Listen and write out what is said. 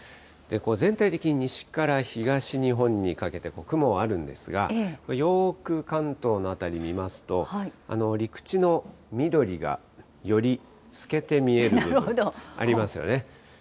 全体的に西から東日本にかけて、雲はあるんですが、よーく関東の辺り見ますと、陸地の緑がより透けて見える部分、ありますよね。